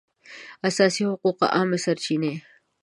د اساسي حقوقو عامې سرچینې